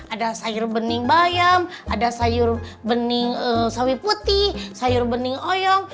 ada sayur bening bayam ada sayur bening sawi putih sayur bening oyong